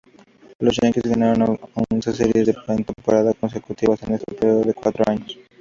Los Yankees ganaron once series de postemporada consecutivas en este período de cuatro años.